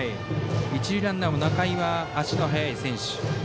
一塁ランナーの仲井は足の速い選手。